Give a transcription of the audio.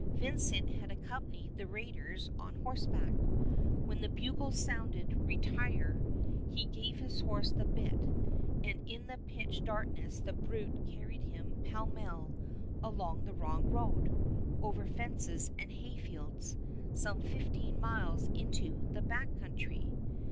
Vincent had accompanied the raiders on horseback. When the bugles sounded "retire," he gave his horse the bit, and in the pitch darkness the brute carried him pellmell along the wrong road, over fences and hayfields, some fifteen miles into the Back Country.